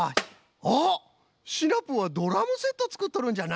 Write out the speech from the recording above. あっシナプーはドラムセットつくっとるんじゃな！